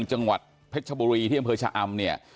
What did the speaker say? จังหวัดเพชรบุรีที่อำเภอชะอำ